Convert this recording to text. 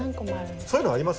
そういうのあります？